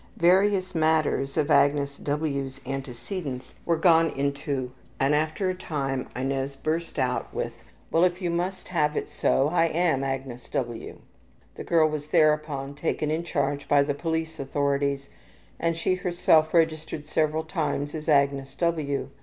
Various matters of Agnes W.'s antecedents were gone into and after a time Inez burst out with, ``Well, if you must have it so, I am Agnes W.'' The girl was thereupon taken in charge by the police authorities, and she herself registered several times as Agnes W.